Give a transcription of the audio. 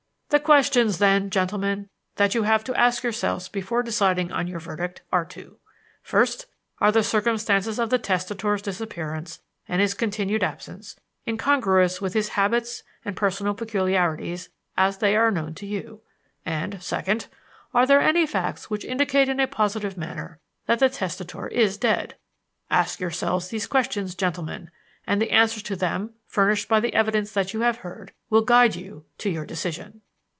"The questions, then, gentlemen, that you have to ask yourselves before deciding on your verdict are two: first, Are the circumstances of the testator's disappearance and his continued absence incongruous with his habits and personal peculiarities as they are known to you? and second, Are there any facts which indicate in a positive manner that the testator is dead? Ask yourselves these questions, gentlemen, and the answers to them, furnished by the evidence that you have heard, will guide you to your decision."